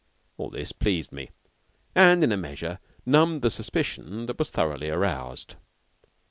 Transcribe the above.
All this pleased me, and in a measure numbed the suspicion that was thoroughly aroused.